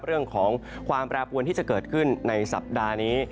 เรื่องของความแปรปวนที่จะเกิดขึ้นในสัปดาห์นี้